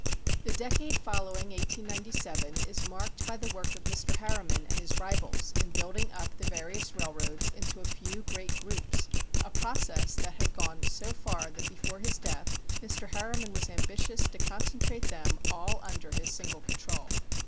The decade following 1897 is marked by the work of Mr. Harriman and his rivals in building up the various railroads into a few great groups, a process that had gone so far that before his death Mr. Harriman was ambitious to concentrate them all under his single control.